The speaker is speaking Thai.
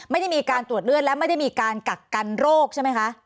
ไม่ได้มีการตรวจเลือดและไม่ได้มีการกักกันโรคใช่ไหมคะ